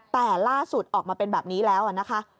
แต่ล่าสุดออกมาเป็นแบบนี้แล้วนะคะ